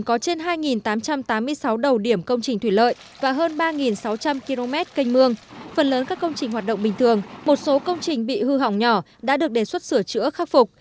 đối với các công trình thủy lợi và hơn ba sáu trăm linh km canh mương phần lớn các công trình hoạt động bình thường một số công trình bị hư hỏng nhỏ đã được đề xuất sửa chữa khắc phục